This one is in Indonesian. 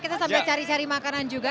kita sambil cari cari makanan juga